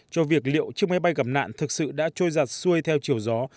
cho việc liệu chiếc máy bay gặp nạn thực sự đã trôi giặt xuôi theo chiều gió